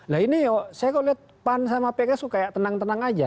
nah ini saya lihat pan sama pks itu kayak tenang tenang aja